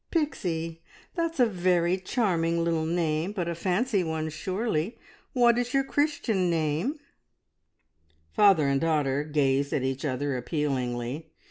"Pixie! that's a very charming little name, but a fancy one, surely. What is your Christian name?" Father and daughter gazed at each other appealingly.